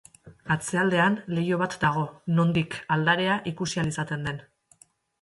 Atzealdean leiho bat dago, nondik aldarea ikusi ahal izaten den.